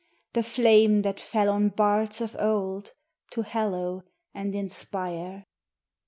The flame that fell on bards of old To hallow and inspire.